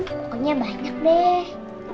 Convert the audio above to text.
pokoknya banyak deh